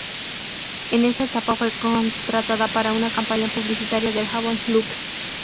En esa etapa fue contratada para una campaña publicitaria del jabón "Lux".